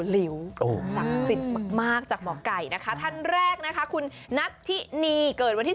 เหลว๓๐มากจากหมอกไก่นะคะท่านแรกนะคะคุณนัททินีเกิดวันที่